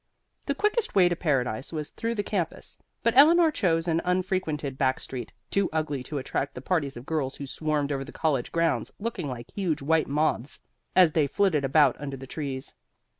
The quickest way to Paradise was through the campus, but Eleanor chose an unfrequented back street, too ugly to attract the parties of girls who swarmed over the college grounds, looking like huge white moths as they flitted about under the trees.